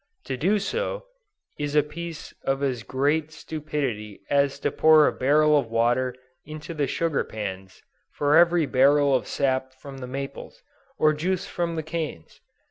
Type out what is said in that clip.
To do so, is a piece of as great stupidity as to pour a barrel of water into the sugar pans, for every barrel of sap from the maples, or juice from the canes!